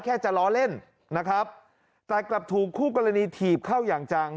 แค่จะล้อเล่นนะครับแต่กลับถูกคู่กรณีถีบเข้าอย่างจัง